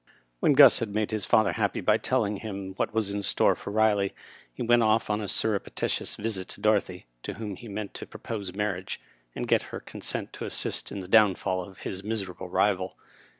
When Qus had made his father happy by telling him what was in store for Riley, he went off on a surrepti tious visit to Dorothy, to whom he meant to propose marriage, and get her consent to assist in the downfall of his miserable rival.